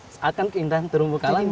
seakan keindahan terumbu kalanda